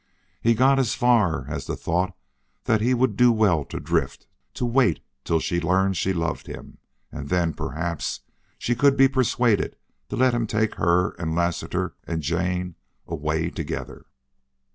He got as far as the thought that he would do well to drift, to wait till she learned she loved him, and then, perhaps, she could be persuaded to let him take her and Lassiter and Jane away together.